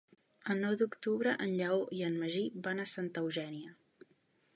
El nou d'octubre en Lleó i en Magí van a Santa Eugènia.